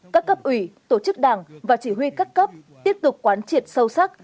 các cấp ủy tổ chức đảng và chỉ huy các cấp tiếp tục quán triệt sâu sắc